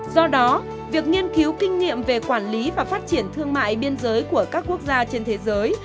do đó việc nghiên cứu kinh nghiệm về quản lý và phát triển thương mại biên giới của các quốc gia trên thế giới